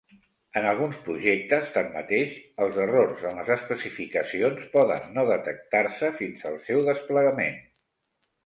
En alguns projectes tanmateix, els errors en les especificacions poden no detectar-se fins al seu desplegament.